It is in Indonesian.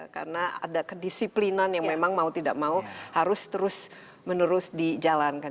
karena ada kedisiplinan yang memang mau tidak mau harus terus menerus dijalankan